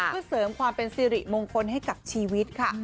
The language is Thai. เพื่อเสริมความเป็นสิริมงคลให้กับชีวิตค่ะ